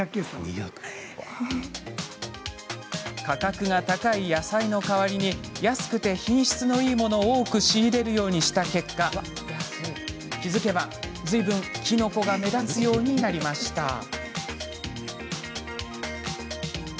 価格が高い野菜の代わりに安くて、品質のいいものを多く仕入れるようにした結果気付けば、ずいぶんきのこが目立つようになりました。